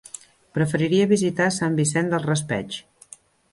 Preferiria visitar Sant Vicent del Raspeig.